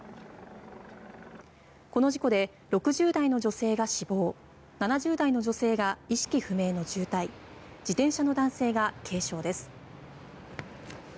この事故で６０代の女性が死亡７０代の女性が意識不明の重体自転車の男性が軽傷です。